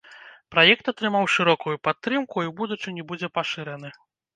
Праект атрымаў шырокую падтрымку і ў будучыні будзе пашыраны.